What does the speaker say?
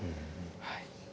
はい。